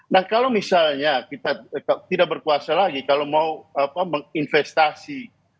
nah kalau misalnya kita tidak berkuasa lagi kalau mau menginvestasi